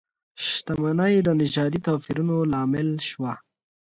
شتمنۍ د نژادي توپیرونو لامل شوه.